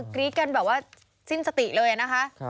กรี๊ดกันแบบว่าสิ้นสติเลยนะคะ